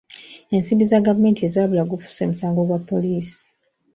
Ensimbi za gavumenti ezaabula gufuuse musango gwa poliisi.